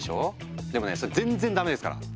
でもねそれぜんっぜんダメですから！